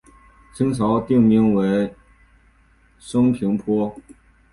清朝定名为升平坡。